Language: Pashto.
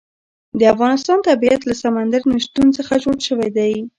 د افغانستان طبیعت له سمندر نه شتون څخه جوړ شوی دی.